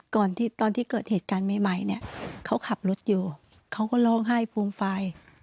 ตอนที่เกิดเหตุการณ์ใหม่เนี่ยเขาขับรถอยู่เขาก็ร้องไห้ฟูมฟาย